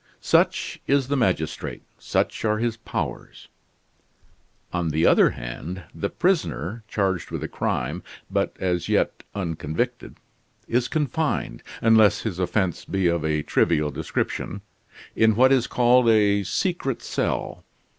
Such is the magistrate, such are his powers. On the other hand, the prisoner charged with a crime, but as yet un convicted, is confined, unless his offense be of a trivial description, in what is called a "secret cell."